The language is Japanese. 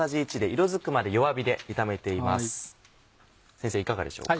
先生いかがでしょうか。